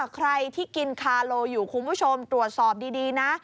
ใครที่กินคาโลอยู่คุณผู้ชมตรวจสอบดีนะ